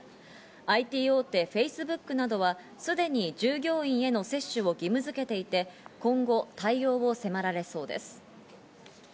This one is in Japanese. ＩＴ大手、Ｆａｃｅｂｏｏｋなどはすでに従業員への接種を義務づけていて、今後、対応を迫られそうです。